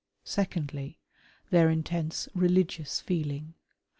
Secondly, their intense religious feeling.